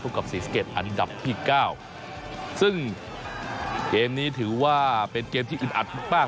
กับศรีสะเกดอันดับที่เก้าซึ่งเกมนี้ถือว่าเป็นเกมที่อึดอัดมากมาก